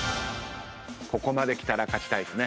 ここまできたら勝ちたいですね。